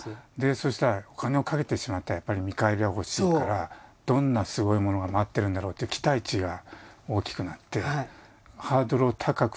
そしたらお金をかけてしまったらやっぱり見返りは欲しいからどんなすごいものが待ってるんだろうっていう期待値が大きくなって。